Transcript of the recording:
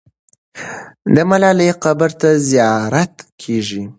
د ملالۍ قبر ته زیارت کېږي.